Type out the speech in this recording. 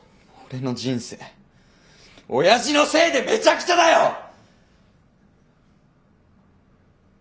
俺の人生親父のせいでめちゃくちゃだよ！